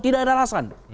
tidak ada alasan